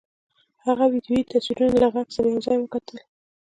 هغه ویډیويي تصویرونه له غږ سره یو ځای وکتل